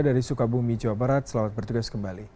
dari sukabumi jawa barat selamat bertugas kembali